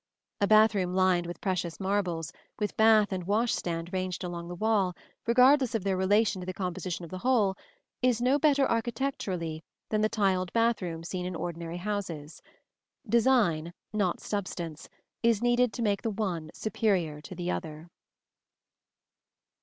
A bath room lined with precious marbles, with bath and wash stand ranged along the wall, regardless of their relation to the composition of the whole, is no better architecturally than the tiled bath room seen in ordinary houses: design, not substance, is needed to make the one superior to the other.